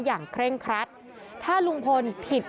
เคร่งครัดถ้าลุงพลผิด